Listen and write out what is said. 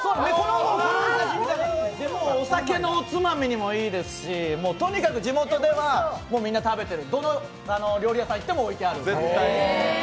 お酒のおつまみにもいいですしとにかく地元ではみんな食べてるどの料理屋さんに行っても置いてある。